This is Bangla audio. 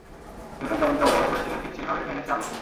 নিউটন যেমনটা অনুমান করেছিলেন ঠিক সেই ভাবেই ভেঙেছে আলো।